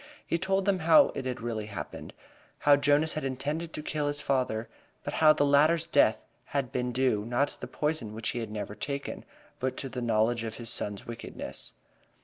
He told them how it had really happened: How Jonas had intended to kill his father but how the latter's death had been due, not to the poison which he had never taken, but to the knowledge of his son's wickedness.